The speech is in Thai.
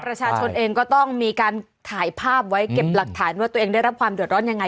ประชาชนเองก็ต้องมีการถ่ายภาพไว้เก็บหลักฐานว่าตัวเองได้รับความเดือดร้อนยังไง